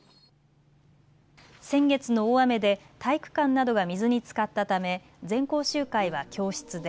先月の大雨で体育館などが水につかったため全校集会は教室で。